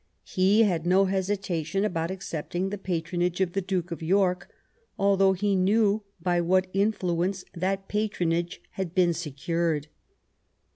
He had no hesitation about accepting the patronage of the Duke of York^ al though he knew by what influence that patronage had been secured.